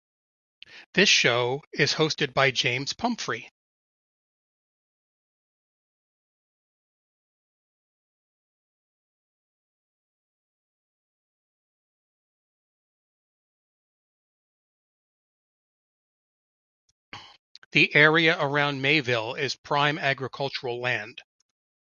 The area around Mayville is prime agricultural land.